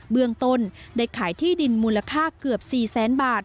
เมืองต้นได้ขายที่ดินมูลค่าเกือบ๔แสนบาท